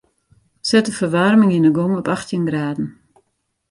Set de ferwaarming yn 'e gong op achttjin graden.